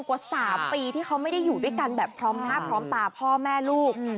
กว่า๓ปีที่เขาไม่ได้อยู่ด้วยกันแบบพร้อมหน้าพร้อมตาพ่อแม่ลูก